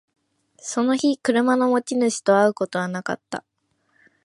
その日、車の持ち主と会うことはなかった